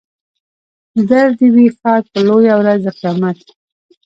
در دې وي ښاد په لویه ورځ د قیامت.